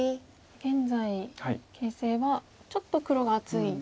現在形勢はちょっと黒が厚いような。